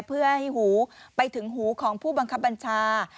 เพื่อให้หูไปถึงหูของผู้บังคับบัญชา